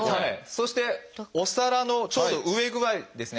そしてお皿のちょうど上ぐらいですね